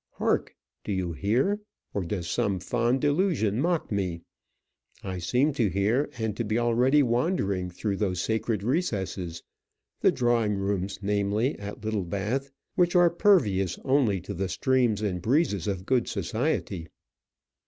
Hark! do you hear? or does some fond delusion mock me? I seem to hear, and to be already wandering through those sacred recesses the drawing rooms, namely, at Littlebath which are pervious only to the streams and breezes of good society.